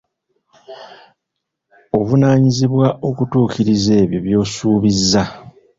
Ovunaanyizibwa okutuukiriza ebyo by'osuubiza.